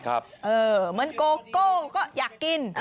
เหมือนโกโก้ก็อยากกิน